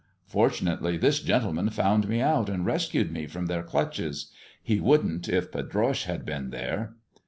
Fortunately, this ] gentleman found me out, and rescued me from their clutches. He wouldn't, if Pedroche had been there."